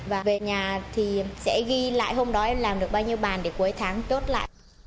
và về nhà thì sẽ ghi lại hôm đó em làm được bao nhiêu bàn để cuối tháng chốt lại